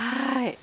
はい。